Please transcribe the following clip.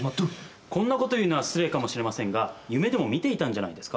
こんなことを言うのは失礼かもしれませんが夢でも見ていたんじゃないですか？